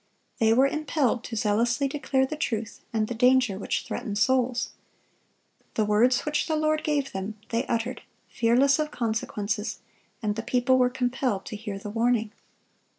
They were impelled to zealously declare the truth, and the danger which threatened souls. The words which the Lord gave them they uttered, fearless of consequences, and the people were compelled to hear the warning.